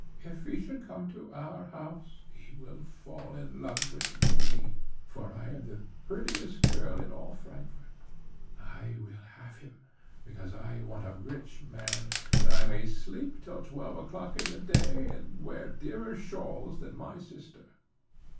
If he should come to our house, he will fall in love with me, for I am the prettiest girl in all Frankfort. I will have him, because I want a rich man, that I may sleep till twelve o'clock in the day, and wear dearer shawls than my sister."